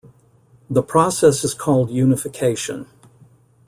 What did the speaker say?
The process is called unification.